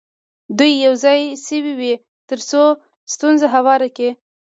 دوی یو ځای شوي وي تر څو ستونزه هواره کړي.